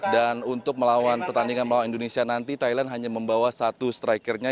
dan untuk melawan pertandingan melawan indonesia nanti thailand hanya membawa satu strikernya